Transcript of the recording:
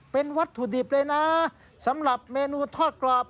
เป็นวัตถุดิบเลยนะสำหรับเมนูทอดกรอบ